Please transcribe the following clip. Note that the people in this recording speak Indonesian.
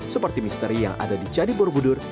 seperti misteri yang ada di candi borobudur